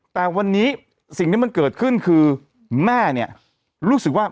แต่ที่นี่แม่